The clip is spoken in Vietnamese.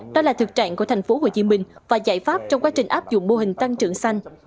đó là thực trạng của tp hcm và giải pháp trong quá trình áp dụng mô hình tăng trưởng xanh